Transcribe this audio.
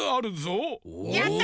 やった！